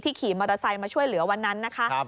ขี่มอเตอร์ไซค์มาช่วยเหลือวันนั้นนะคะ